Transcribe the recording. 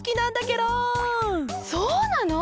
そうなの！？